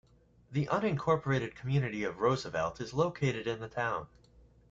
The unincorporated community of Roosevelt is located in the town.